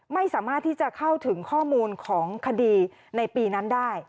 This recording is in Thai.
ไม่สามารถที่จะเข้าถึงข้อมูลของคดีในปีนั้นได้